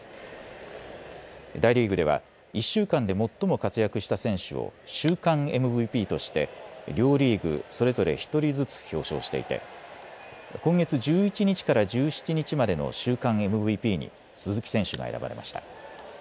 大リーグでは１週間で最も活躍した選手を週間ＭＶＰとして両リーグそれぞれ１人ずつ表彰していて今月１１日から１７日までの週間ＭＶＰに鈴木選手が選ばれました。